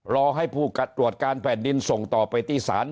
รอให้ผู้ตรวจการแผ่นดินส่งต่อไปที่ศาล